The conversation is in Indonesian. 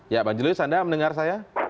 ya bang julius anda mendengar saya